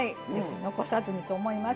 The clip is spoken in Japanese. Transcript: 残さずにと思います。